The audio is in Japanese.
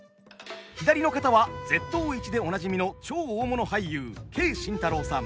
左の方は「Ｚ頭市」でおなじみの超大物俳優Ｋ新太郎さん。